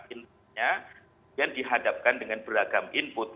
intinya kemudian dihadapkan dengan beragam input